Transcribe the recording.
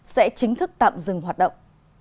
sẽ chính thức tạm dừng hoạt động